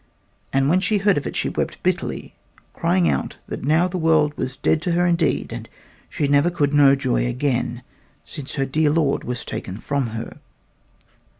And when she heard of it she wept bitterly, crying out that now the world was dead to her indeed, and she never could know joy again, since her dear lord was taken from her.